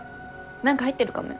何か入ってるかもよ。